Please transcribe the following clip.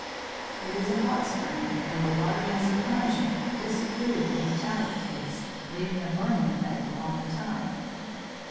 "It is a hot spring, and the water has a pungent, disagreeable metallic taste, leaving a burning effect on the tongue.